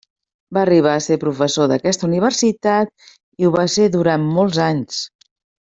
Va arribar a ser professor d'aquesta universitat i ho va ser durant molts anys.